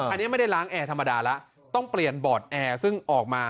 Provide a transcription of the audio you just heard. อันนี้ไม่ได้ล้างแอร์ธรรมดาแล้วต้องเปลี่ยนบอร์ดแอร์ซึ่งออกมา